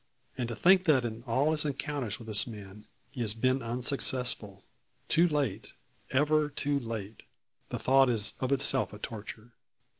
And to think that in all his encounters with this man, he has been unsuccessful; too late ever too late! The thought is of itself a torture.